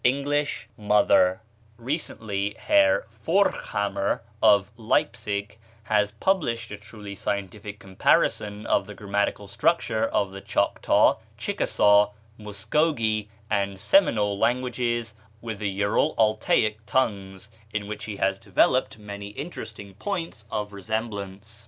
|+++++++ Recently Herr Forchhammer, of Leipsic, has published a truly scientific comparison of the grammatical structure of the Choctaw, Chickasaw, Muscogee, and Seminole languages with the Ural Altaic tongues, in which he has developed many interesting points of resemblance.